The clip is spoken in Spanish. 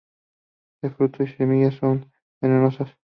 Su fruto y semillas son venenosos.